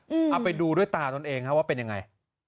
เอาไปดูด้วยตาตนเองฮะว่าเป็นยังไง